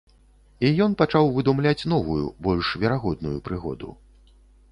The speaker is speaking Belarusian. І ён пачаў выдумляць новую, больш верагодную прыгоду.